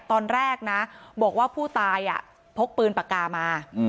ตอนแรกนะบอกว่าผู้ตายพกปืนปากกามา